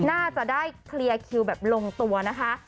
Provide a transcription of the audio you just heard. น่าจะได้เคลียร์คิวแบบลงตัวนะคะ